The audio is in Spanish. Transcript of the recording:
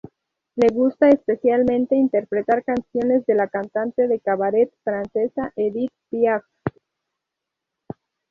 Le gusta especialmente interpretar canciones de la cantante de cabaret francesa Édith Piaf.